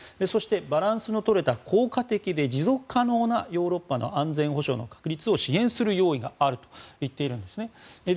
そしてバランスのとれた効果的で持続可能なヨーロッパの安全保障の確立を支援する用意があると言っているんです。